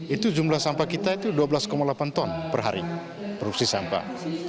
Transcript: itu jumlah sampah kita itu dua belas delapan ton per hari produksi sampah